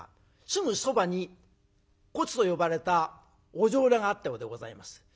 すぐそばにコツと呼ばれたお女郎屋があったようでございます。